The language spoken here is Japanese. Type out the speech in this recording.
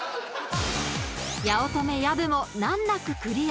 ［八乙女・薮も難なくクリア］